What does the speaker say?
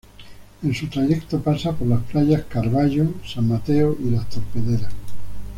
En su trayecto pasa por las playas Carvallo, San Mateo y Las Torpederas.